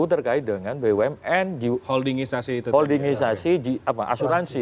terkait dengan bumn holdingisasi asuransi